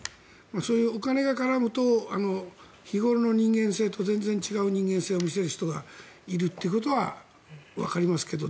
そういうお金が絡むと日頃の人間性と全然違う人間性を見せる人がいることはわかりますけど。